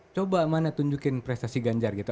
coba mana tunjukin prestasi ganjar gitu